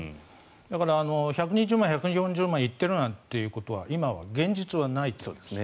だから、１２０万、１４０万行っているということは今は現実はないということですね。